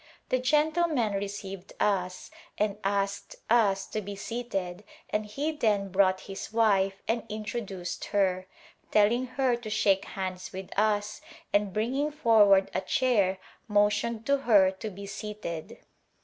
The gentleman received us and asked us to be seated and he then brought his wife and intro duced her, telling her to shake hands with us, and bringing forward a chair motioned to her to be seated.